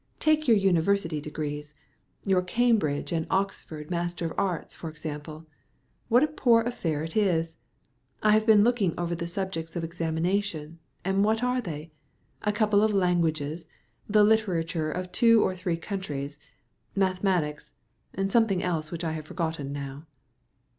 Take your University degrees your Cambridge and Oxford Master of Arts, for example; what a poor affair it is! I have been looking over the subjects of examination, and what are they? A couple of languages, the literature of two or three countries, mathematics, and something else which I have forgotten now."